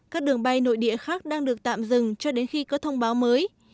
các đường bay nội địa khác đang được tạm dừng cho đến khi có thông báo mới